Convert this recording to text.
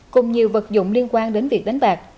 cùng nhiều vật dụng liên quan đến việc đánh bạc